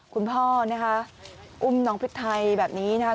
คุณพ่อนะคะอุ้มน้องพริกไทยแบบนี้นะคะ